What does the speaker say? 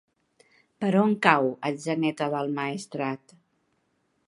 Per on cau Atzeneta del Maestrat?